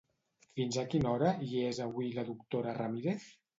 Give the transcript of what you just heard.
Fins a quina hora hi és avui la doctora Ramírez?